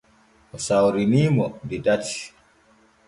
O sawrini mo de tati.